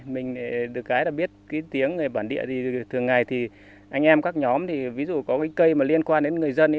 mình được cái là biết cái tiếng người bản địa thì thường ngày thì anh em các nhóm thì ví dụ có cái cây mà liên quan đến người dân